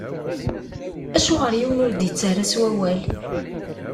Acuɣeṛ yiwen ur d-ittarra s wawal?